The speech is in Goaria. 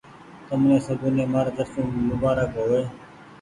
تمني سبوني مآري ترڦو مبآرڪ هووي۔